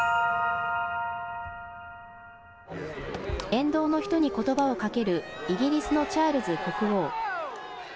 沿道の人にことばをかけるイギリスのチャールズ国王。